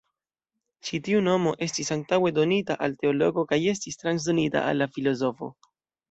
Ĉi tiu nomo estis antaŭe donita al teologo kaj estis transdonita al la filozofo.